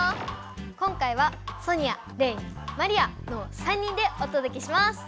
今回はソニアレイマリアの３人でおとどけします。